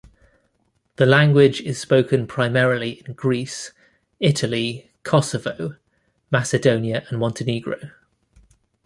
The language is spoken primarily in Greece, Italy, Kosovo, Macedonia and Montenegro.